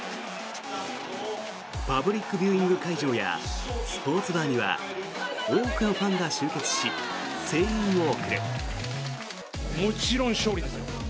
パブリックビューイング会場やスポーツバーには多くのファンが集結し声援を送る。